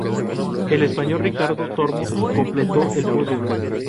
El español Ricardo Tormo' completó el podio.